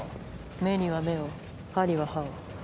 目には目を歯には歯を。